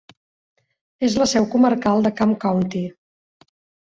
És la seu comarcal de Camp County.